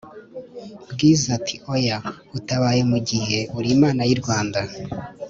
bwiza ati"oya utabaye mugihe urimana y'irwanda"